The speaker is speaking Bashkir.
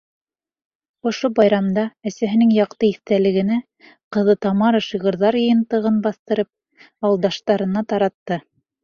Ошо байрамда әсәһенең яҡты иҫтәлегенә ҡыҙы Тамара шиғырҙар йыйынтығын баҫтырып, ауылдаштарына таратты.